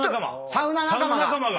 サウナ仲間が。